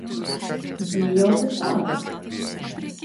Jī jau pa sātu!